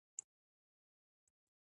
ولایتونه د افغانستان په هره برخه کې شته.